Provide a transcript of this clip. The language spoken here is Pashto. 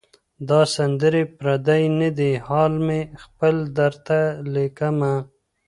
دا سندري پردۍ نه دي حال مي خپل درته لیکمه.